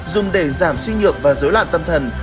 dùng để giảm suy nhược và giới loạn tâm thần